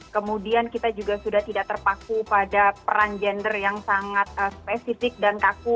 kemudian kita juga sudah tidak terpaku pada peran gender yang sangat spesifik dan kaku